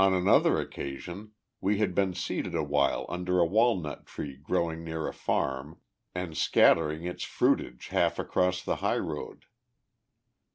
On another occasion, we had been seated awhile under a walnut tree growing near a farm, and scattering its fruitage half across the highroad.